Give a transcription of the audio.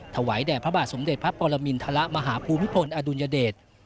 ถวายแด่พระบาทสมเด็จพระปรมินทรมาหาภูมิพลอดุลยเดช